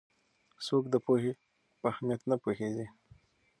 څوک د پوهې په اهمیت نه پوهېږي؟